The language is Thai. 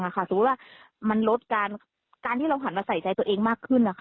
สมมุติว่ามันลดการที่เราหันมาใส่ใจตัวเองมากขึ้น